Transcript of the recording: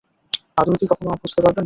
আদৌ কি কখনো বুঝতে পারবেন?